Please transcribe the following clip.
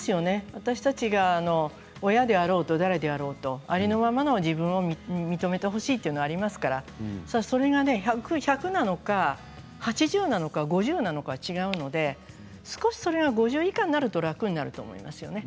私たちが親だろうと誰であろうとありのままの自分を認めてほしいという気持ちはありますからそれが１００なのか８０なのか５０なのかで違いますけど５０以下になると楽かもしれませんね。